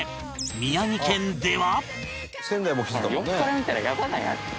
宮城県では